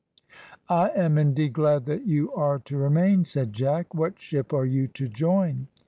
"I am indeed glad that you are to remain," said Jack. "What ship are you to join?"